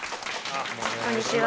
こんにちは。